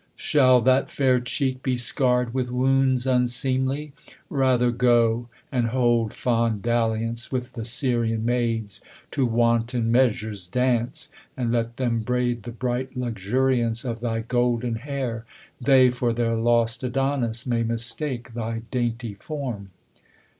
Shall that fair check Be scan 'd with wounds unseemly ? Rather go, And hold fond dalliance with the Syrian maids ; To wanton measures dance ; and let them braid The bright luxuriance of thy golden hair ; They, for their lost Adonis, may mistake Thy dainty form.